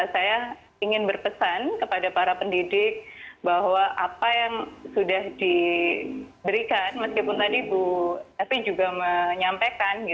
saya ingin berpesan kepada para pendidik bahwa apa yang sudah diberikan meskipun tadi bu evi juga menyampaikan